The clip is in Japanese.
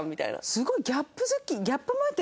すごいギャップ好き。